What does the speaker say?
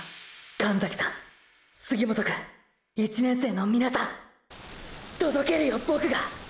寒咲さん杉元くん１年生の皆さん届けるよボクが！！